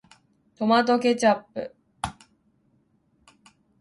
トマトケチャップ